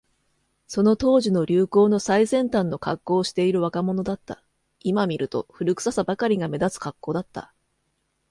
その当時の流行の最先端のカッコをしている若者だった。今見ると、古臭さばかりが目立つカッコだった。